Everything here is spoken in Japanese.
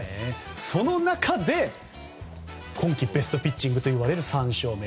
その中で今季ベストピッチングといわれる３勝目。